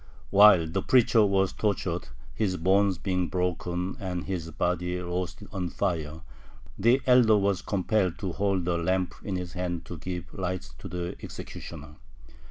While the preacher was tortured, his bones being broken and his body roasted on fire, the elder was compelled to hold a lamp in his hand to give light to the executioner.